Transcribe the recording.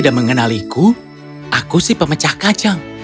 dia mengenaliku aku si pemecah kacang